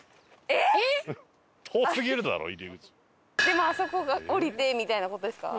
でもあそこが降りてみたいな事ですか？